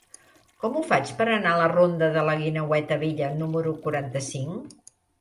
Com ho faig per anar a la ronda de la Guineueta Vella número quaranta-cinc?